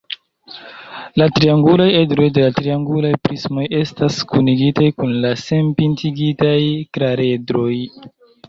La triangulaj edroj de la triangulaj prismoj estas kunigitaj kun la senpintigitaj kvaredroj.